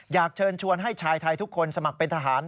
อยากเชิญชวนให้ชายไทยทุกคนสมัครเป็นทหาร